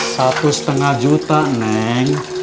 satu setengah juta neng